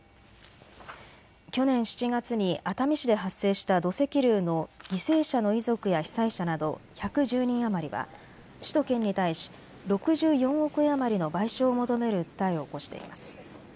去年７月に熱海市で発生した土石流の犠牲者の遺族や被災者など１１０人余りは市と県に対し６４億円余りの賠償を求める訴えを起こしています。